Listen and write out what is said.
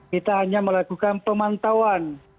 kita hanya melakukan pemantauan